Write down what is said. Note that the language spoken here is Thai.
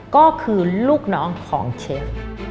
ก็คือลูกน้องของเชฟ